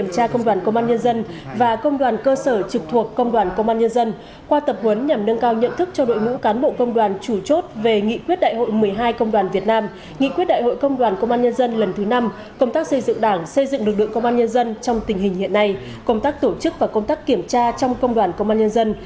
công tác xây dựng đảng xây dựng lực lượng công an nhân dân trong tình hình hiện nay công tác tổ chức và công tác kiểm tra trong công đoàn công an nhân dân